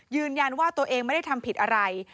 ยืนยันว่าตัวเองไม่ได้ทำผิดอะไร